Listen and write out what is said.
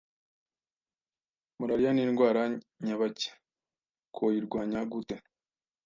Malaria ni indwara nyabaki, twoyirwanya gute